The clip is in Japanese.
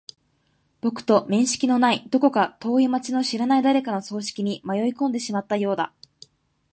僕と面識のない、どこか遠い街の知らない誰かの葬式に迷い込んでしまったようだ。